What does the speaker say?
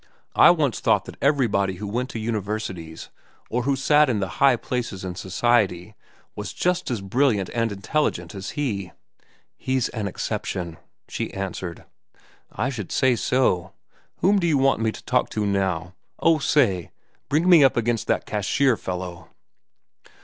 I once thought that everybody who went to universities, or who sat in the high places in society, was just as brilliant and intelligent as he." "He's an exception," she answered. "I should say so. Whom do you want me to talk to now?—Oh, say, bring me up against that cashier fellow."